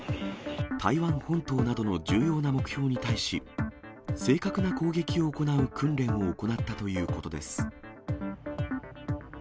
台湾本島などの重要な目標に対し、正確な攻撃を行う訓練を行ったということです。